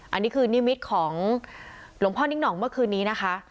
อันนี้คือนิมิตของหลวงพ่อนิ่งห่องเมื่อคืนนี้นะคะ